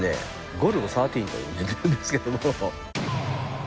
ゴルゴ１３と呼んでるんですけども。